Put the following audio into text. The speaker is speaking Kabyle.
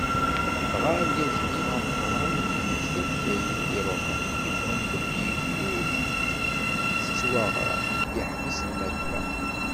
Dγa argaz-nni ameqran, yemmekta-d tayri i iruḥen, yefhem belli ur d-tettwaγram, yeḥbes lmakla.